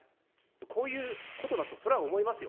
こういうことだと、それは思いますよ。